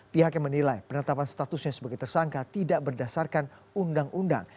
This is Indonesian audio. pihak yang menilai penetapan statusnya sebagai tersangka tidak berdasarkan undang undang